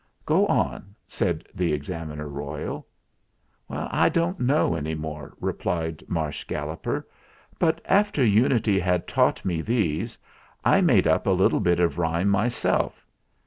"Go on," said the Examiner Royal. "I don't know any more," replied Marsh Galloper; "but after Unity had taught me these, I made up a little bit of a rhyme my self.